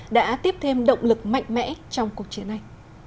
đã tiếp thêm động lực mạnh mẽ trong cuộc chiến này